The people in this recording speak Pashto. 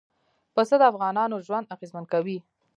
پسه د افغانانو ژوند اغېزمن کوي.